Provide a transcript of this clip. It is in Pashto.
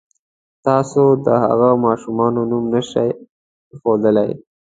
تاسو د هغه ماشوم نوم نه شئ اېښودلی.